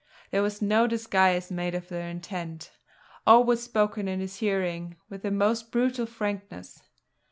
There was no disguise made of their intent; all was spoken in his hearing with the most brutal frankness.